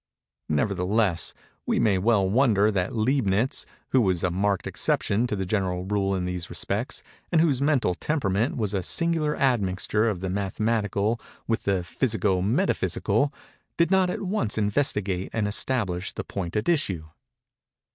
Nevertheless, we may well wonder that Leibnitz, who was a marked exception to the general rule in these respects, and whose mental temperament was a singular admixture of the mathematical with the physico metaphysical, did not at once investigate and establish the point at issue.